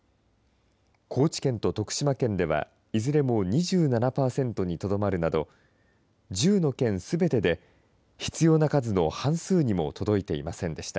高知県と徳島県では、いずれも２７％にとどまるなど、１０の県すべてで、必要な数の半数にも届いていませんでした。